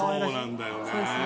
そうですね。